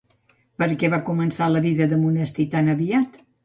Per què va començar la vida de monestir tan aviat?